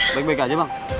baik baik aja bang